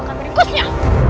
aku akan berikutnya